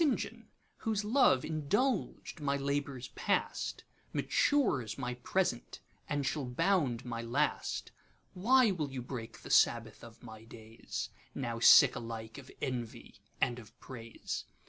JOHN, whose love indulged my labours past, Matures my present, and shall bound my last, Why will you break the Sabbath of my days? Now sick alike of envy and of praise.